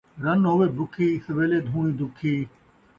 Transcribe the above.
رن ہووے بُکھی ، سویلے دھوݨی دُکھی